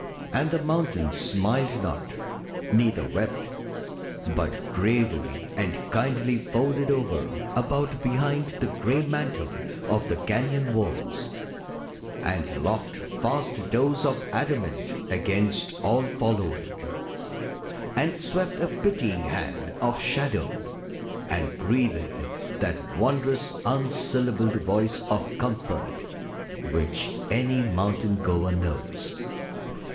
And the mountains smiled not, neither wept, but gravely and kindly folded over, about, behind, the gray mantle of the cañon walls, and locked fast doors of adamant against all following, and swept a pitying hand of shadow, and breathed that wondrous unsyllabled voice of comfort which any mountain goer knows.